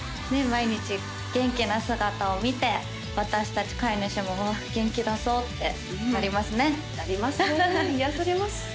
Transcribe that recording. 毎日元気な姿を見て私達飼い主もおっ元気出そうってなりますねなりますね